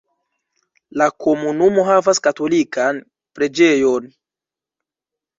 La komunumo havas katolikan preĝejon.